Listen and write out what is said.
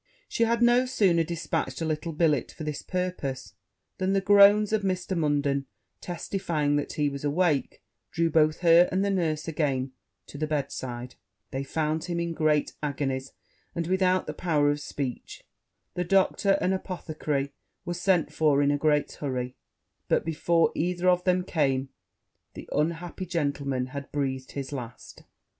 She had no sooner dispatched a little billet for this purpose, than the groans of Mr. Munden, testifying that he was awake, drew both her and the nurse again to the bedside: they found him in very great agonies, and without the power of speech; the doctor and apothecary were sent for in a great hurry; but, before either of them came, the unhappy gentleman had breathed his last.